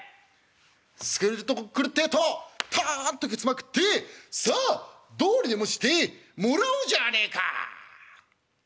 据えるとこへ来るってえとたんとけつまくって『さあどうにでもしてもらおうじゃねえか！』。